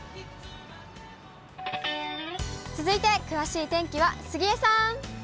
続いて詳しい天気は杉江さん。